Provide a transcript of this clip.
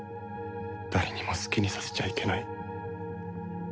誰にも好きにさせちゃいけない。